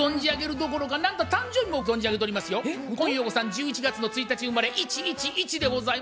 １１月の１日生まれ「１１１」でござい。